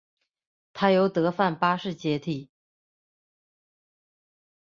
他由德范八世接替。